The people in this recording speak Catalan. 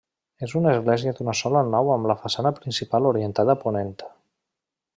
És una església d'una sola nau amb la façana principal orientada a ponent.